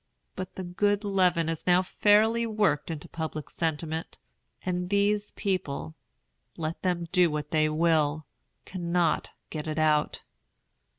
But the good leaven is now fairly worked into public sentiment, and these people, let them do what they will, cannot get it out.